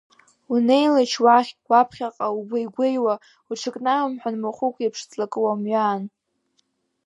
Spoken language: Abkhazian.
Унеилеишь уахь, уаԥхьаҟа, угәеигәеиуа, уҽыкнаумҳан махәык еиԥш ҵлакы уамҩаан.